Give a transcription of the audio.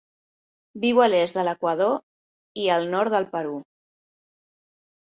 Viu a l'est de l'Equador i el nord del Perú.